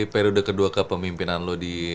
periode kedua kepemimpinan lo di